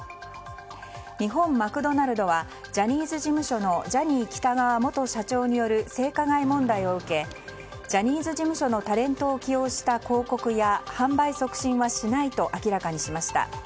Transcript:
日本マクドナルドはジャニーズ事務所のジャニー喜多川元社長による性加害問題を受けジャニーズ事務所のタレントを起用した広告や販売促進はしないと明らかにしました。